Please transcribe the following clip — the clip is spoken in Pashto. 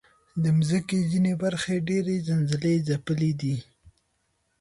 د مځکې ځینې برخې ډېر زلزلهځپلي دي.